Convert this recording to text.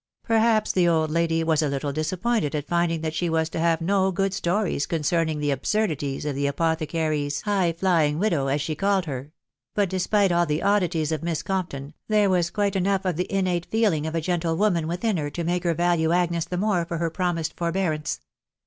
Perhaps the old lady was a little disappointed at finding that she was to have no good stories concerning the absurdities of the apothecary's high flying wi&ow, %&&& <»U&d her; but, despite all the odditfes of MissCoro^loTi^ct^^^^fc^MW^ THE WIDOW BABJ7AB7, $95 of the innate feeling of a gentlewoman within her to make her value Agnes the more for her promised forbearance.